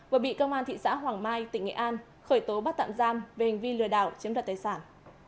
vừa bị công an thị xã hoàng mai tỉnh nghệ an khởi tố bắt tạm giam về hành vi lừa đảo chiếm đoạt tài sản